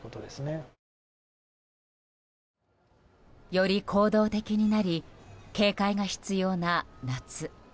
より行動的になり警戒が必要な夏。